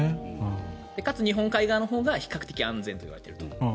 かつ日本海側のほうが安全だと言われていると。